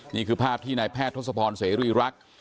นี่คือภาพที่นายแพทย์ทศพรเสรีรักษ์